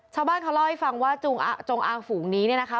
ชาวบ้านเขาเล่าให้ฟังว่าจงอางฝูงนี้เนี่ยนะคะ